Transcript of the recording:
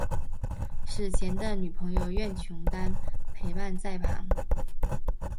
死前的女朋友苑琼丹陪伴在旁。